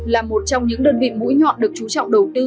là một trong những đơn vị mũi nhọn được chú trọng đầu tư